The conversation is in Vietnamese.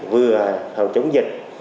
vừa phòng chống dịch